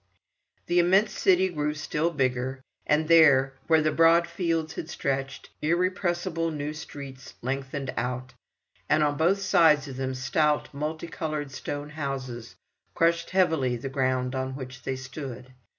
The immense city grew still bigger, and there, where the broad fields had stretched, irrepressible new streets lengthened out, and on both sides of them stout, multi coloured stone houses crushed heavily the ground on which they stood.